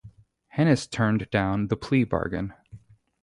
Hennis turned down the plea bargain.